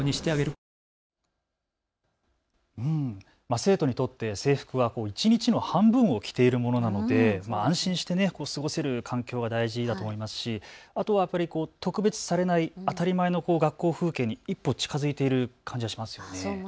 生徒にとって制服は一日の半分を着ているものなので安心して過ごせる環境が大事だと思いますし特別視されない、当たり前の学校風景に一歩近づいている感じがしますね。